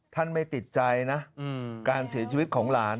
ไม่ติดใจนะการเสียชีวิตของหลาน